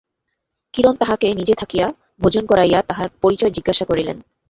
কিরণ তাহাকে নিজে থাকিয়া ভোজন করাইয়া তাহার পরিচয় জিজ্ঞাসা করিলেন।